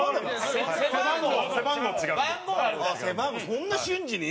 そんな瞬時に？